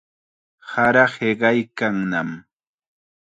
Sara hiqaykannam.